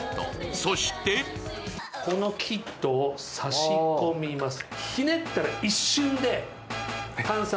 そしてこのキットを差し込みます。